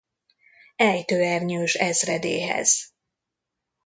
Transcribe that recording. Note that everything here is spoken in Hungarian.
Ejtőernyős Ezredéhez.